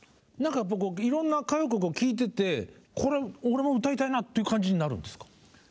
何かいろんな歌謡曲を聴いててこれ俺も歌いたいなっていう感じになるんですか？